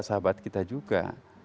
sahabat kita juga